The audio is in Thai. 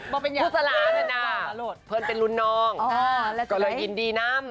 กูสลาเนี่ยน่ะเพิ่งเป็นรุ่นน้องก็เลยอินดีน่ำ